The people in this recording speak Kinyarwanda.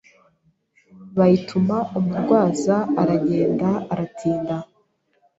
bayituma umurwaza aragenda aratinda